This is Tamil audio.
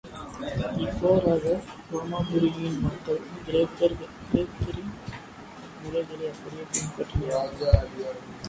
இவ்வாறாக உரோமாபுரியின் மக்கள் கிரேக்கரின் முறைகளை அப்படியே பின்பற்றினர் என்னலாம்.